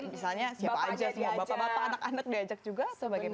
misalnya siapa aja semua bapak bapak anak anak diajak juga atau bagaimana